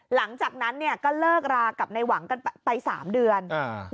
หลังจากนั้นเนี่ยก็เลิกรากับในหวังกันไปสามเดือนอ่า